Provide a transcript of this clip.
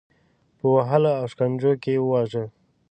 په وهلو او شکنجو کې وواژه.